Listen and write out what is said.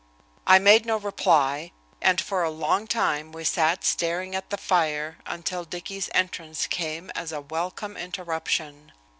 I made no reply, and, for a long time, we sat staring at the fire until Dicky's entrance came as a welcome interruption.